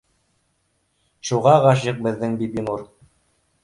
Шуға ғашиҡ беҙҙең Бибинур